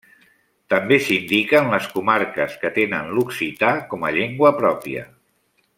També s'indiquen les comarques que tenen l'occità com a llengua pròpia.